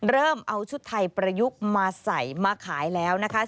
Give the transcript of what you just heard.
เริ่มเอาชุดไทยประยุกต์มาใส่มาขายแล้วนะคะ